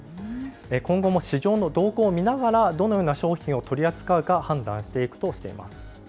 今後も市場の動向を見ながら、どのような商品を取り扱うか判断していくとしています。